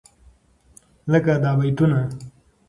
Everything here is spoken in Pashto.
لکه دا بيتونه: